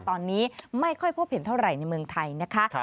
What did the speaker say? ตอนนี้ไม่ค่อยพบเห็นเท่าไหร่ในเมืองไทยนะคะ